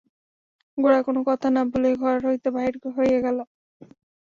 গোরা কোনো কথা না বলিয়া ঘর হইতে বাহির হইয়া গেল।